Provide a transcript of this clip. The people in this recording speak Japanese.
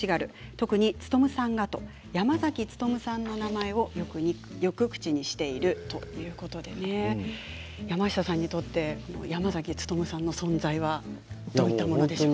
特に努さんがと山崎努さんの名前をよく口にしているということで山下さんにとって山崎努さんの存在はどういったものでしょうか。